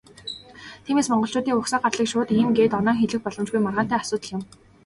Тиймээс, монголчуудын угсаа гарлыг шууд "ийм" гээд оноон хэлэх боломжгүй, маргаантай асуудал юм.